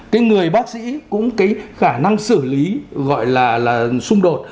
cái người bác sĩ cũng cái khả năng xử lý gọi là xung đột